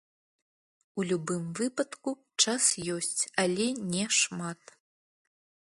У любым выпадку, час ёсць, але не шмат.